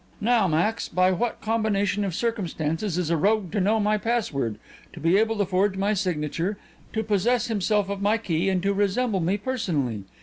Now, Max, by what combination of circumstances is a rogue to know my password, to be able to forge my signature, to possess himself of my key, and to resemble me personally?